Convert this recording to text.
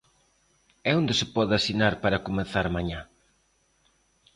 E onde se pode asinar para comezar mañá?